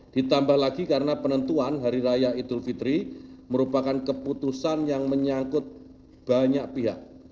ditambah lagi karena penentuan hari raya idul fitri merupakan keputusan yang menyangkut banyak pihak